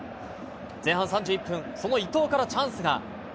前半３１分、その伊東からチャンスが。